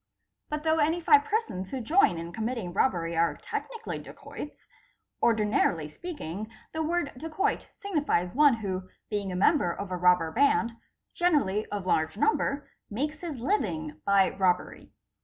But though any five persons who join in committing robbery are technically dacoits, ordinarily speak ing the word dacoit signifies one who, being a member of a robber band, generally of large number, makes his living by robbery.